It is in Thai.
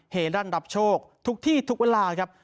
ลั่นรับโชคทุกที่ทุกเวลาครับ